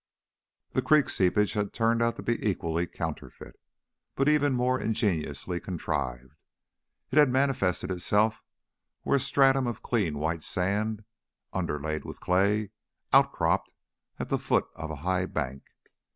The creek seepage had turned out to be equally counterfeit, but even more ingeniously contrived. It had manifested itself where a stratum of clean white sand, underlaid with clay, outcropped at the foot of a high bank.